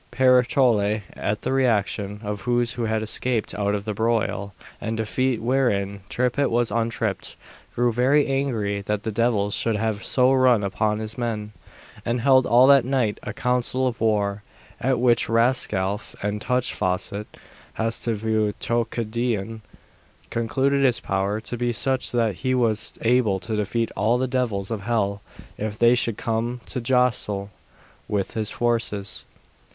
[Illustration: I Hear the Enemy, Let us Rally 1 43 088] Picrochole, at the relation of those who had escaped out of the broil and defeat wherein Tripet was untriped, grew very angry that the devils should have so run upon his men, and held all that night a counsel of war, at which Rashcalf and Touchfaucet (Hastiveau, Touquedillon.), concluded his power to be such that he was able to defeat all the devils of hell if they should come to jostle with his forces.